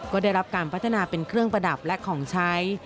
ก็ได้รับการพัฒนาเป็นเครื่องประดับและของใช้